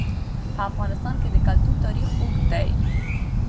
په افغانستان کې د کلتور تاریخ اوږد دی.